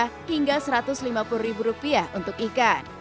hingga satu ratus lima puluh ribu rupiah untuk ikan